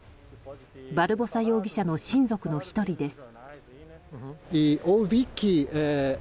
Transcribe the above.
バルボサ容疑者の親族の１人です。